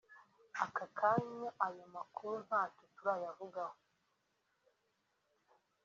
"Aka kanya ayo makuru ntacyo turayavugaho